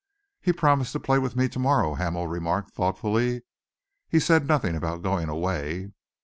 "He promised to play with me to morrow," Hamel remarked thoughtfully. "He said nothing about going away."